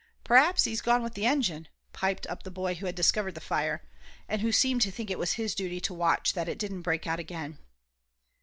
"P'r'aps he's gone with the engine," piped up the boy who had discovered the fire, and who seemed to think it his duty to watch that it didn't break out again.